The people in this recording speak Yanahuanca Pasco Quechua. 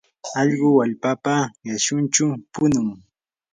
allqu wallpapa qishunchaw punun.